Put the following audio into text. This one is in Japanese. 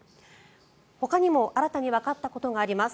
ほかにも新たにわかったことがあります。